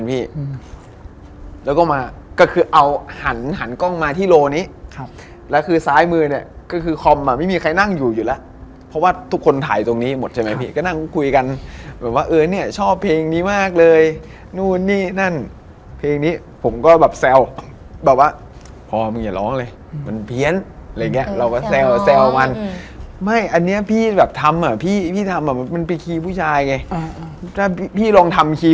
เหมือนติดเออเหมือนหัวติดอ่ะมันติดแล้วพยายามจะดิ้นออก